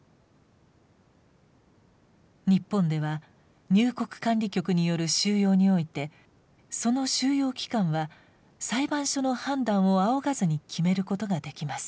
日本では入国管理局による収容においてその収容期間は裁判所の判断を仰がずに決めることができます。